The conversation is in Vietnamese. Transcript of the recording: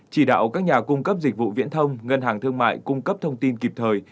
chỉ đạo các nhà cung cấp dịch vụ viễn thông ngân hàng thương mại cung cấp thông tin kịp thời